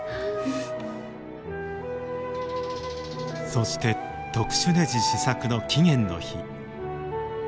そして特殊ねじ試作の期限の日。